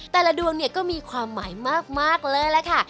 แต่ละดวงเนี่ยก็มีความหมายมากเลยล่ะค่ะ